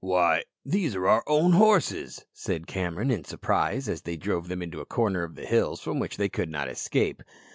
"Why, these are our own horses," said Cameron in surprise, as they drove them into a corner of the hills from which they could not escape.